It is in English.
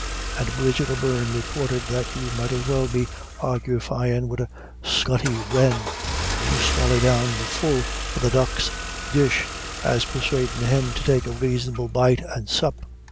And Bridget O'Beirne reported that you might as well be argufyin' wid a scutty wren to swally down the full of the ducks' dish as persuadin' him to take a raisonable bite and sup.